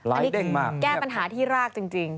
อันนี้คือแก้ปัญหาที่รากจริง